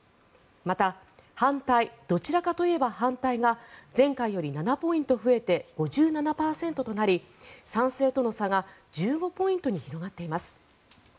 また、反対どちらかといえば反対が前回より７ポイント増えて５７％となり賛成との差が１５ポイントに広がっています。